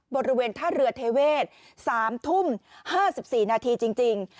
บริเวณท่าเรือเทเวศ๓ทุ่ม๕๔นาทีจริง